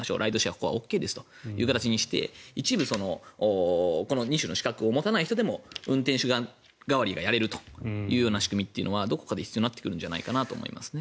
ここはＯＫですという形にして一部２種の資格を持たない人でも運転手替わりをやれる仕組みがどこかで必要になってくるんじゃないかと思います。